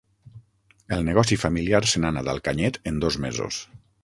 El negoci familiar se n'ha anat al canyet en dos mesos.